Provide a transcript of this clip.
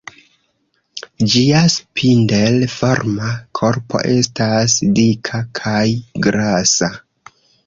Ĝia spindel-forma korpo estas dika kaj grasa.